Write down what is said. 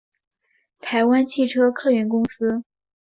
台湾汽车客运公司